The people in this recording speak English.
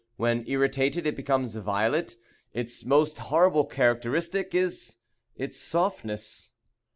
When irritated, it becomes violet. Its most horrible characteristic is its softness.